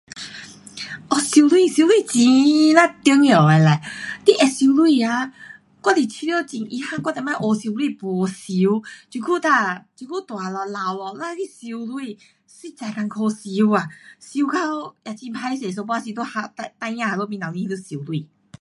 哦，游泳游泳很呀重要的啦，你会游泳啊，我是觉得很遗憾我以前学游泳没游。这久哒这久大了，老了，你要去游泳实在困苦游啊，游到也很害羞，有半时在孩儿那里面头前那游泳。